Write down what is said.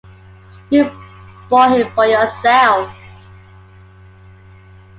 You bought him for yourself.